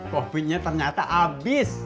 kopinya ternyata abis